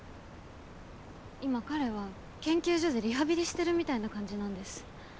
いま彼は研究所でリハビリしてるみたいな感じなんです。